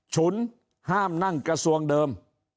ฉุนห้ามนั่งกระทรวงเดิม